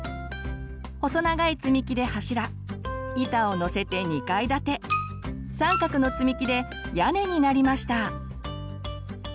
細長いつみきで柱板をのせて２階建て三角のつみきで屋根になりました。